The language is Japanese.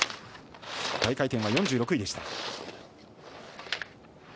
大回転は４６位でした。